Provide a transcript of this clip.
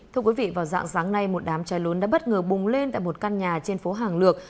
thưa quý vị vào dạng sáng nay một đám cháy lớn đã bất ngờ bùng lên tại một căn nhà trên phố hàng lược